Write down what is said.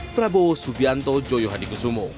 prabowo subianto joyohadikusumo